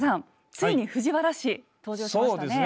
ついに藤原氏登場しましたね。